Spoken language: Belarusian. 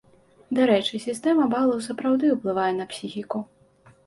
Дарэчы, сістэма балаў сапраўды ўплывае на псіхіку.